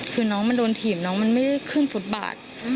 คือน้องมันโดนถีบน้องมันไม่ได้ขึ้นฟุตบาท